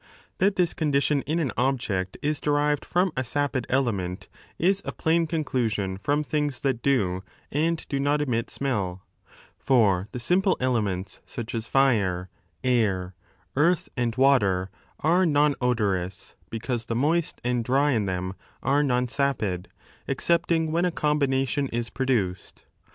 That this condition in an object is derived from a sapid element is a plain conclusion from things that do and do not emit smelL For the simple elements, such as fire, air, eartii, and water, are non odorous because the moist and dry in them are non sapid, excepting when a combination is 4 produced.